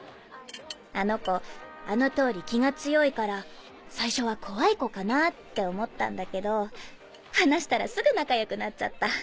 あの子あの通り気が強いから最初は怖い子かなって思ったんだけど話したらすぐ仲良くなっちゃった。